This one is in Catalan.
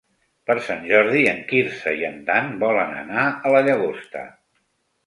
Per Sant Jordi en Quirze i en Dan volen anar a la Llagosta.